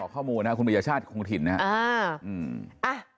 ขอข้อมูลคุณประชาชคงถิ่นนะครับ